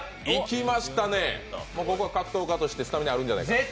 ここは格闘家としてスタミナがあるんじゃないかと？